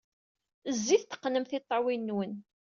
Zzit, teqqnem tiṭṭawin-nwen.